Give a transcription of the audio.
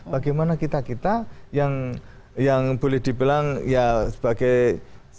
bagaimana kita kita yang boleh dibilang ya sebagai sebuah